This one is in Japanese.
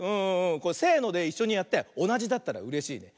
これせのでいっしょにやっておなじだったらうれしいね。